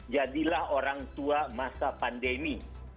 jadilah orang tua masa pandemi